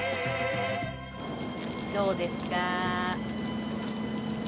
どうですか？